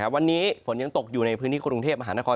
วันนี้ฝนยังตกอยู่ในพื้นที่กรุงเทพมหานคร